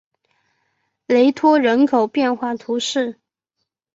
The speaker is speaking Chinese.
雷托人口变化图示